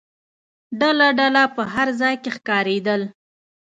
ډله ډله په هر ځای کې ښکارېدل.